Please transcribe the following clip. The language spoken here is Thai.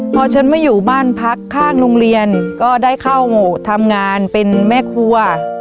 พอฉันไม่อยู่บ้านพักข้างโรงเรียนก็ได้เข้าทำงานเป็นแม่ครัว